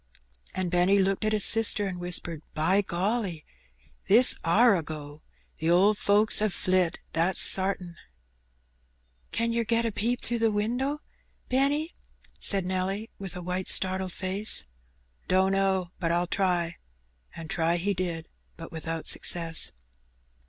And Benny looked at his sister and whispered —" By golly ! this are a go. The owd folks 'ave flit, that's sartin." "Can yer get a peep through the winder, Benny?" said Nelly, with a white, startled face. "Dunno, but I'll try;" and try he did, but without success.